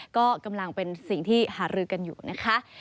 ก็กำลังเป็นสิ่งที่หารือกันอยู่นะคะ